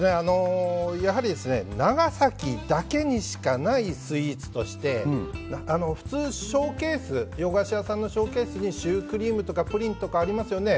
やはり長崎だけにしかないスイーツとして普通洋菓子屋さんのショーケースにシュークリームとかプリントかありますよね。